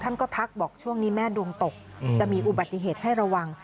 ท่านก็ทักบอกช่วงนี้แม่ดวงตกจะมีอุบัติเหตุให้ระวัง